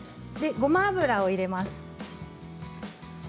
ごま油を入れます。